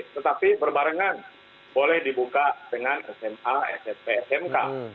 tetapi berbarengan boleh dibuka dengan sma smp smk